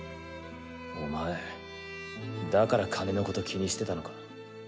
お前だから金のこと気にしてたのか。